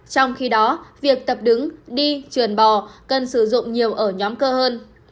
trong khi đó việc tập đứng đi truyền bò cần sử dụng nhiều ở nhóm cơ hơn